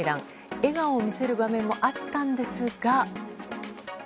笑顔を見せる場面もあったんですが。